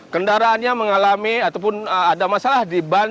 kendaraannya mengalami ataupun ada masalah di balik